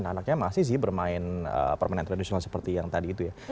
anak anaknya masih sih bermain permainan tradisional seperti yang tadi itu ya